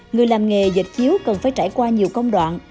người làm nghề dịch chiếu cần phải trải qua nhiều công đoạn